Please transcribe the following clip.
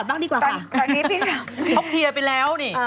ตอนนี้พี่ชอตเคลียร์ไปแล้ว